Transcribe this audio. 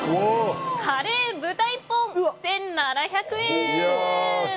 カレー豚一本、１７００円。